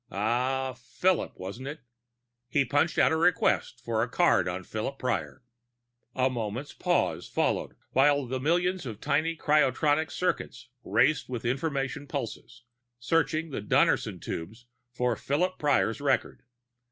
Ah ... Philip, wasn't it? He punched out a request for the card on Philip Prior. A moment's pause followed, while the millions of tiny cryotronic circuits raced with information pulses, searching the Donnerson tubes for Philip Prior's record.